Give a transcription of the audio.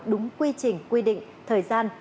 đúng quy trình quy định thời gian